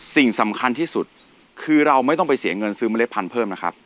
สิ่งสำคัญที่สุดคือเราไม่ต้องไปเสียเงินซื้อเมล็ดพันธุ์เพิ่มนะครับ